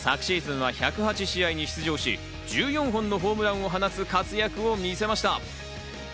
昨シーズンは１０８試合に出場し、１４本のホームランを放つ活躍を見せました。